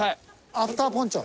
アフターポンチョ。